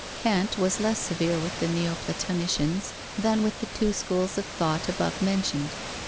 Kant was less severe with the Neoplatonicians than with the two schools of thought above mentioned.